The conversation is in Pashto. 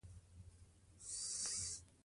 د افغانستان په مینه کې یو ځای شو.